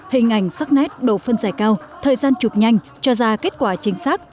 hình ảnh sắc nét độ phân giải cao thời gian chụp nhanh cho ra kết quả chính xác